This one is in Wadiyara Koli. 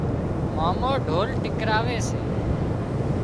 مامو ڍول ٽِڪراوي سي